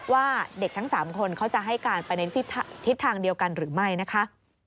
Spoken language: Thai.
ว่าเด็กทั้ง๓คนเขาจะให้การไปในทิศทางเดียวกันหรือไม่นะคะ